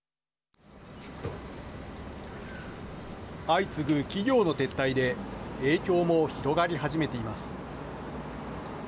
相次ぐ企業の撤退で影響も広がり始めています。